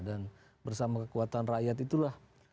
dan bersama kekuatan rakyat itulah